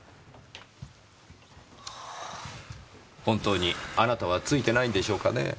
本当にあなたはツイてないんでしょうかねぇ？